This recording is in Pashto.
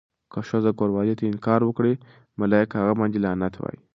که ښځه کوروالې ته انکار وکړي، ملايکه هغه باندې لعنت وایی.